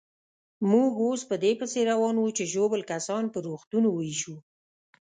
موږ اوس په دې پسې روان وو چې ژوبل کسان پر روغتونو وېشو.